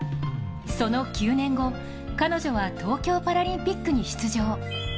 その９年後、彼女は東京パラリンピックに出場。